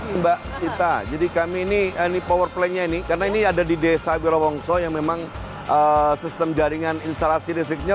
ada lagi mbak sita jadi kami ini powerplaynya ini karena ini ada di desa wilawongso yang memang sistem jaringan instalasi resikonya